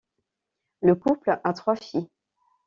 Le couple a trois filles.